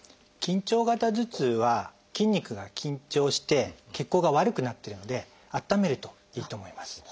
緊張型頭痛は筋肉が緊張して血行が悪くなってるのであっためるといいと思います。